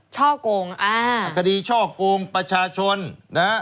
ช่อกงอ่าคดีช่อกงประชาชนนะฮะ